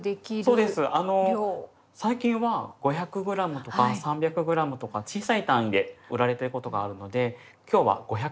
そうですあの最近は５００ｇとか３００ｇとか小さい単位で売られてることがあるのできょうは５００ｇで。